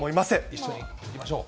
一緒に行きましょう。